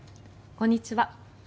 こんにちは。